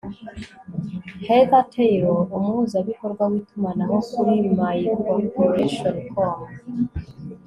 Heather Taylor umuhuzabikorwa witumanaho kuri MyCorporationcom